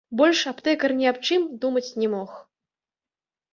Больш аптэкар ні аб чым думаць не мог.